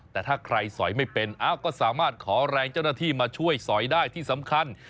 แต่ถ้าใครสอยไม่เป็นก็สามารถขอแรงเจ้าหน้าที่มาช่วยสอยได้ที่สำคัญ